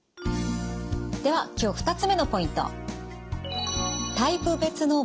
では今日２つ目のポイント。